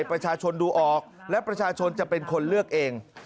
ประชาชนดูออกและประชาชนจะเป็นคนเลือกเอง